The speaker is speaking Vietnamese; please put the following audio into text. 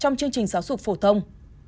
trong chương trình giáo dục phổ thông